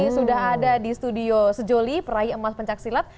sudah ada di studio sejoli peraih emas pencaksilat